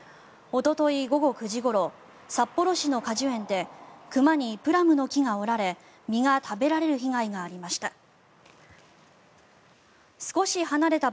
おととい午後９時ごろ札幌市の果樹園でクマにプラムの木が折られ実が食べられる被害がありました。